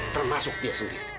termasuk dia sendiri